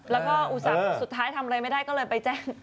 แล้วก็อุตส่าห์สุดท้ายทำอะไรไม่ได้ก็เลยไปแจ้ง